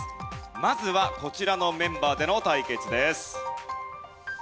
まずはこちらのメンバーでの対決です。